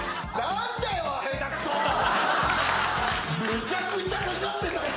めちゃくちゃかかってたし。